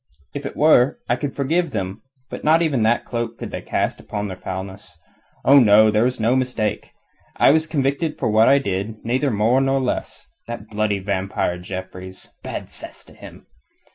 If it were, I could forgive them. But not even that cloak could they cast upon their foulness. Oh, no; there was no mistake. I was convicted for what I did, neither more nor less. That bloody vampire Jeffreys bad cess to him!